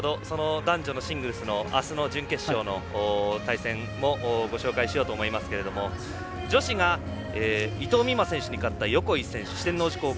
男女のシングルスの明日の準決勝の対戦もご紹介しようと思いますけども女子が伊藤美誠に勝った横井選手、四天王寺高校。